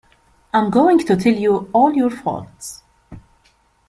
I’m going to tell you all your faults.